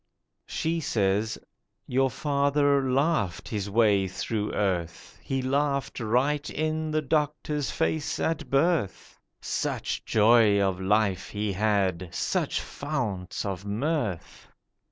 She says: 'Your father laughed his way through earth: He laughed right in the doctor's face at birth, Such joy of life he had, such founts of mirth.